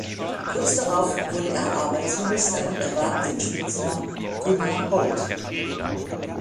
Kurz darauf wurde er Arbeitsminister und erwarb den Spitznamen „Gunner Holt“.